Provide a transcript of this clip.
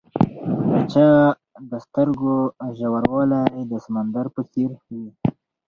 د چا د سترګو ژوروالی د سمندر په څېر وي.